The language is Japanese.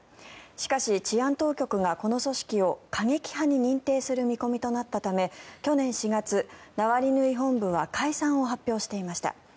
しかし、治安当局がこの組織を過激派に認定する見込みとなったため去年４月、ナワリヌイ本部は解散を発表していました。